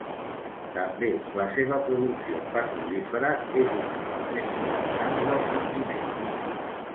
També, la seva producció petrolífera és una de les més importants del continent.